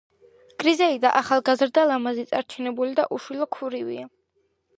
გრიზეიდა ახალგაზრდა, ლამაზი, წარჩინებული და უშვილო ქვრივია.